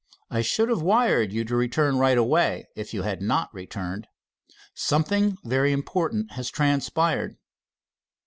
I should have wired you to return right away if you had not returned. Something very important has transpired."